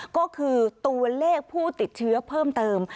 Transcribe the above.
ก็คือตัวเลขผู้ติดเชื้อเพิ่มเติม